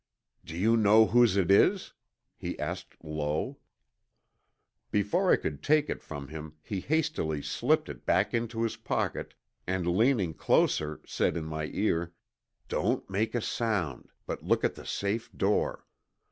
"Do you know whose it is?" he asked low. Before I could take it from him he hastily slipped it back into his pocket and leaning closer, said in my ear, "Don't make a sound, but look at the safe door.